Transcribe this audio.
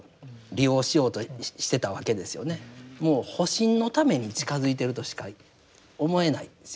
もう保身のために近づいてるとしか思えないですよね。